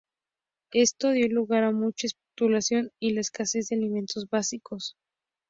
Esto dio lugar a mucha especulación y la escasez de alimentos básicos.